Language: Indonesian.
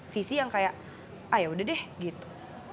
sisi yang kayak ayo udah deh gitu